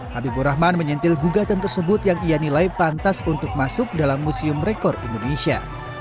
habibur rahman menyentil gugatan tersebut yang ia nilai pantas untuk masuk dalam museum rekor indonesia